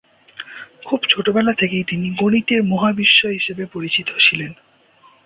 খুব ছোটবেলা থেকেই তিনি গণিতের মহাবিস্ময় হিসেবে পরিচিত ছিলেন।